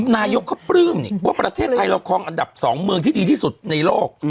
นายกเขาปลื้มนี่ว่าประเทศไทยเราคลองอันดับ๒เมืองที่ดีที่สุดในโลก